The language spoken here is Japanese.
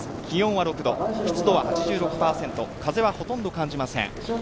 気温は６度湿度は８６％、風はほとんど感じません。